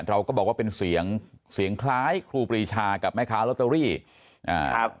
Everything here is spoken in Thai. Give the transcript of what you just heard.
เราก็บอกว่าเป็นเสียงเสียงคล้ายครูปรีชากับแม่ค้าลอตเตอรี่อ่าครับ